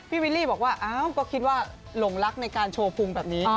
วิลลี่บอกว่าอ้าวก็คิดว่าหลงรักในการโชว์ภูมิแบบนี้